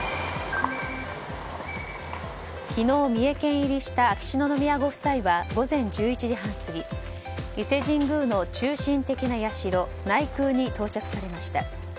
昨日、三重県入りした秋篠宮ご夫妻は午前１１時半過ぎ伊勢神宮の中心的なやしろ内宮に到着されました。